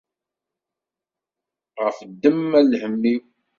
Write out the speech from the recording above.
Ɣef ddemma n lhemm-iw.